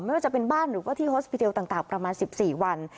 ไม่ว่าจะเป็นบ้านหรือว่าที่โฮสปีเดียวต่างประมาณ๑๔วัน